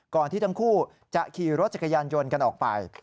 ที่ทั้งคู่จะขี่รถจักรยานยนต์กันออกไป